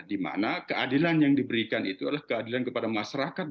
dimana keadilan yang diberikan itu adalah keadilan kepada masyarakat